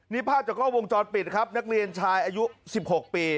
นี่ภาพจากกล้อวงจรปิดครับนักเรียนชายอายุ๑๖ปี